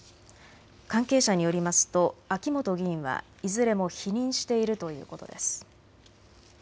関係者によりますと秋本議員はいずれも否認しているということです。